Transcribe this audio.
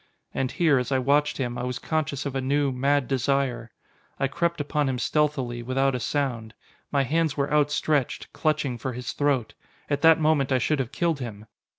And here, as I watched him, I was conscious of a new, mad desire. I crept upon him stealthily, without a sound. My hands were outstretched, clutching, for his throat. At that moment I should have killed him!